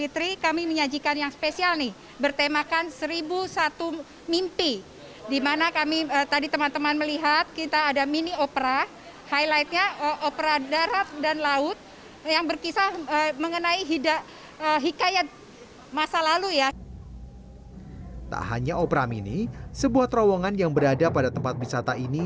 tak hanya opera mini sebuah terowongan yang berada pada tempat wisata ini